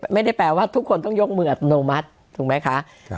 ไม่ได้แปลว่าทุกคนต้องยกมืออัตโนมัติถูกไหมคะ